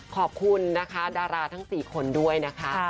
ขอบคุณนะคะดาราทั้ง๔คนด้วยนะคะ